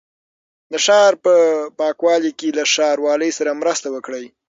د ښار په پاکوالي کې له ښاروالۍ سره مرسته وکړئ.